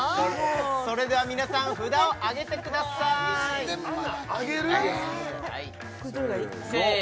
それでは皆さん札を上げてくださいえーっ？